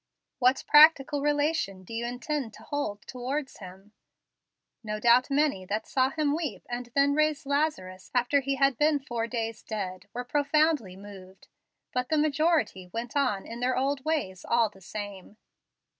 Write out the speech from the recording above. What practical relation do you intend to hold towards Him? No doubt many that saw Him weep, and then raise Lazarus after he had been four days dead, were profoundly moved, but the majority went on in their old ways all the same.